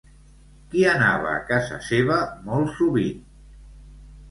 Qui anava a casa seva molt sovint?